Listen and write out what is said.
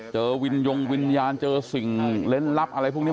วิญญงวิญญาณเจอสิ่งเล่นลับอะไรพวกนี้